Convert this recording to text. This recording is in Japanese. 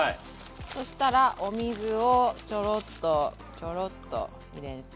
そしたらお水をちょろっとちょろっと入れて。